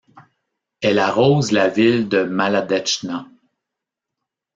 Elle arrose la ville de Maladetchna.